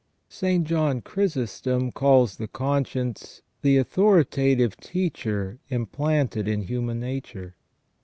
St. John Chrysostom calls the conscience " the authoritative teacher implanted in human nature